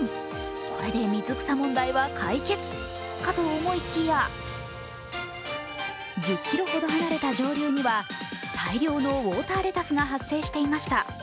これで水草問題は解決かと思いきや１０ｋｍほど離れた上流には大量のウオーターレタスが発生していました。